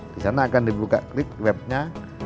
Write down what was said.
di sana akan dibuka klik webnya